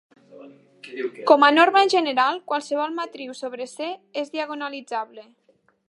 Com a norma general, qualsevol matriu sobre ℂ és diagonalitzable.